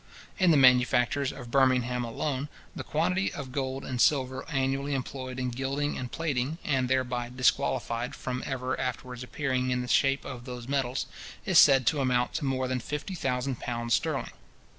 In the manufactures of Birmingham alone, the quantity of gold and silver annually employed in gilding and plating, and thereby disqualified from ever afterwards appearing in the shape of those metals, is said to amount to more than fifty thousand pounds sterling.